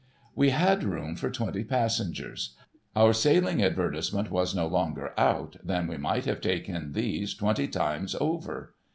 We had room for twenty passengers. Our sailing advertisement was no sooner out, than we might have taken these twenty times over.